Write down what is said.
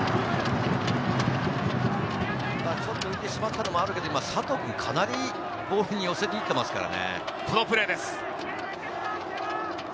ちょっと浮いてしまったのもあるけど佐藤君、かなりボールに寄せに行ってますからね。